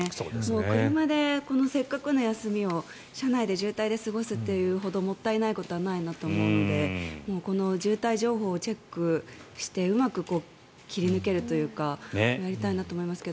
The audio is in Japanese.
車でこのせっかくの休みを車内で渋滞で過ごすというほどもったいないことはないなと思うのでこの渋滞情報をチェックしてうまく切り抜けるというかやりたいなと思いますが。